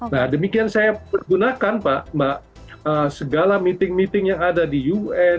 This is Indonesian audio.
nah demikian saya pergunakan pak mbak segala meeting meeting yang ada di un